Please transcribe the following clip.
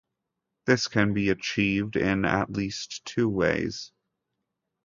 This can be achieved in at least two ways.